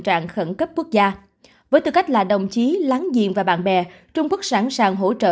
trạng khẩn cấp quốc gia với tư cách là đồng chí láng giềng và bạn bè trung quốc sẵn sàng hỗ trợ